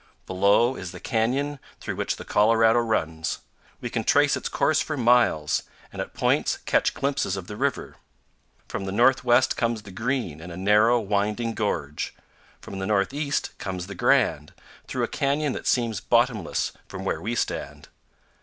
Below is the canyon through which the Colorado runs. We can trace its course for miles, and at points catch glimpses of the river. From the northwest comes the Green in a narrow winding gorge. From the northeast comes the Grand, through a canyon that seems bottomless from where we stand.